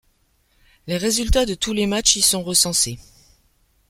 Les résultats de tous les matchs y sont recensés.